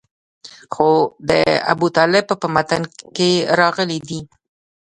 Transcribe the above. خو د ابوطالب په متن کې راغلي دي.